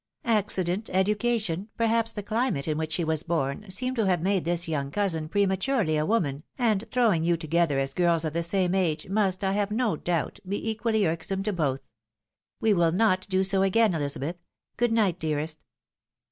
Accident, education, perhaps the climate in which she was born, seem to have made this young cousin prematurely a woman, and throwing you together as girls of the same age, must, I have no doubt, be equally irk some to both. We will not do so again, Elizabeth. Good night, dearest."